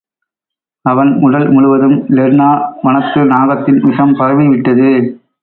அவன் உடல் முழுதும் லெர்னா வனத்து நாகத்தின் விஷம் பரவிவிட்டது.